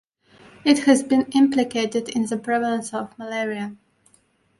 It has been implicated in the prevalence of malaria.